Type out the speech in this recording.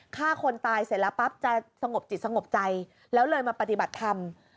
ฆ่าคนตายเสร็จแล้วปั๊บจะสงบจิตสงบใจแล้วเลยมาปฏิบัติธรรม